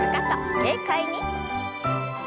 軽快に。